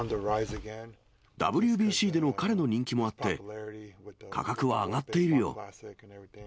ＷＢＣでの彼の人気もあって、価格は上がっているよ。